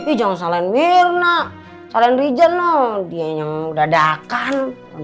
ih jangan salahin mirna salahin rija loh dia yang dadakan